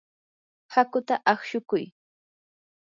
hakuta aqshukuy.